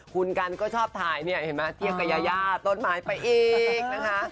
คุณกันก็ชอบถ่ายเนี่ยเห็นไหมเทียบกับยายาต้นไม้ไปอีกนะคะ